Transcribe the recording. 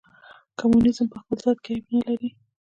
کمونیزم په خپل ذات کې عیب نه لري.